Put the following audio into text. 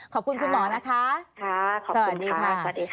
ขอบคุณคุณหมอนะคะสวัสดีค่ะสวัสดีค่ะ